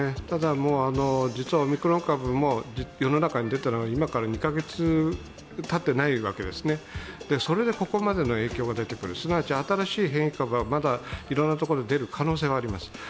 ただ、実はオミクロン株も世の中に出たのは、今から２カ月たっていないわけですそれでここまでの影響が出てくる、すなわち新しい変異株はまだいろんなところで出る可能性はあります。